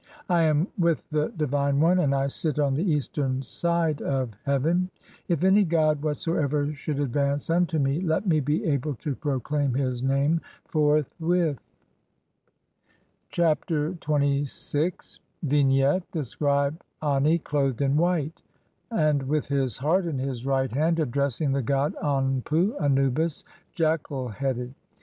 I am with the Divine One, and I sit on the eastern "side of heaven. If any god whatsoever should advance unto "me (4), let me be able to proclaim his name forthwith." Chapter XXVI. [From the Papyrus of Ani (Brit. Mus. No. 10,470, sheet 15).] Vignette : The scribe Ani, clothed in white, and with his heart in his right hand, addressing the god Anpu (Anubis), jackal headed.